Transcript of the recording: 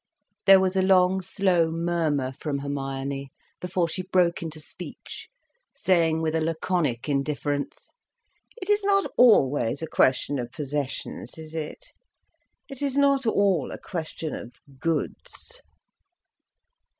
There was a long slow murmur from Hermione before she broke into speech, saying with a laconic indifference: "It is not always a question of possessions, is it? It is not all a question of goods?"